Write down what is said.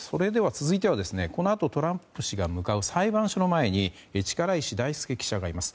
このあとトランプ氏が向かう裁判所の前に力石大輔記者がいます。